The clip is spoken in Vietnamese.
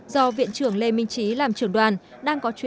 do viện trưởng lê bình